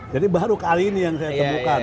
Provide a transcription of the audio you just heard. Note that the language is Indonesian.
jadi baru kali ini yang saya temukan